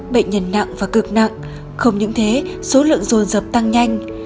bệnh nhân nặng và cực nặng không những thế số lượng dồn rập tăng nhanh